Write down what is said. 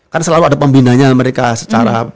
kan selalu ada pembinanya mereka secara